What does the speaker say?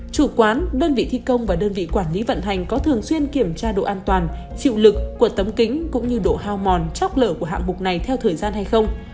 chủ quán đơn vị thi công và đơn vị quản lý vận hành có thường xuyên kiểm tra độ an toàn chịu lực của tấm kính cũng như độ hao mòn chóc lở của hạng mục này theo thời gian hay không